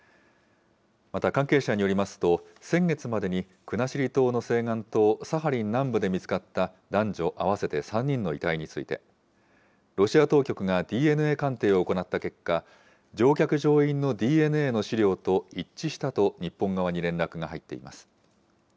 また関係者によりますと、先月までに国後島の西岸とサハリン南部で見つかった男女合わせて３人の遺体について、ロシア当局がＤＮＡ鑑定を行った結果、乗客・乗員のＤＮＡの資料と一致したと日本側に連絡が入っています。